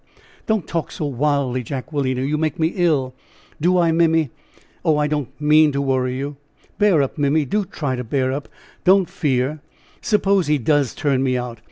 "Don't talk so wildly, Jacquelina, you make me ill." "Do I, Mimmy? Oh, I didn't mean to worry you. Bear up, Mimmy; do try to bear up; don't fear; suppose he does turn me out.